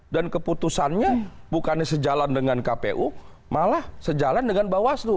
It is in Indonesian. dan keputusannya bukannya sejalan dengan kpu malah sejalan dengan bawaslu